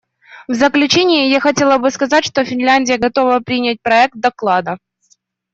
В заключение я хотела бы сказать, что Финляндия готова принять проект доклада.